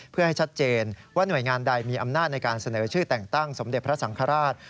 เพื่อให้ชัดเจนว่าหน่วยงานใดมีอำนาจในการเสนอชื่อแต่งตั้งสมเด็จพระสังฆราช